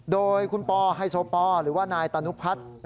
โดยคุณพอร์ไฮโซพอร์หรือว่านายตานูพัช